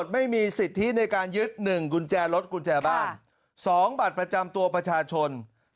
๒บัตรประจำตัวประชาชน